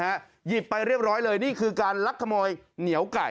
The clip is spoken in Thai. หยิบไปเรียบร้อยเลยนี่คือการลักขโมยเหนียวไก่